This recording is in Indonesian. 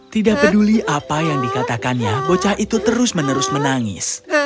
tidak peduli apa yang dikatakannya bocah itu terus menerus menangis